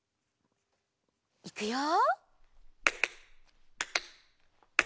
いくよ。